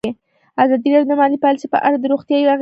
ازادي راډیو د مالي پالیسي په اړه د روغتیایي اغېزو خبره کړې.